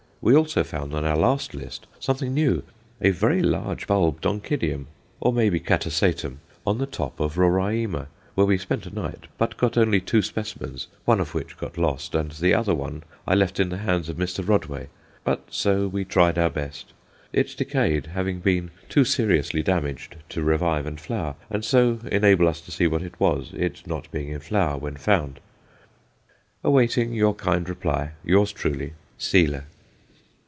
We also found on our last visit something new a very large bulbed Oncidium, or may be Catasetum, on the top of Roraima, where we spent a night, but got only two specimens, one of which got lost, and the other one I left in the hands of Mr. Rodway, but so we tried our best. It decayed, having been too seriously damaged to revive and flower, and so enable us to see what it was, it not being in flower when found. Awaiting your kind reply, Yours truly, SEYLER.